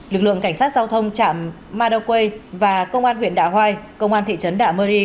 lực lượng cảnh sát giao thông chạm madaway và công an huyện đạ hoai công an thị trấn đạ mơ ri